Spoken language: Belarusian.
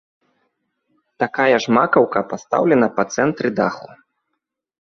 Такая ж макаўка пастаўлена па цэнтры даху.